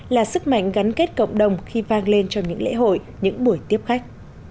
là sức mạnh gắn kết cộng đồng khi vang lên trong những lễ hội những buổi tiếp khách